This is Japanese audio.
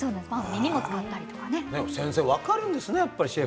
先生、分かるんですね